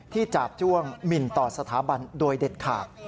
จาบจ้วงหมินต่อสถาบันโดยเด็ดขาด